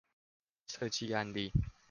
設計案例